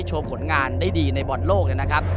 โชว์ผลงานได้ดีในบอร์ดโลกเนี่ยนะครับ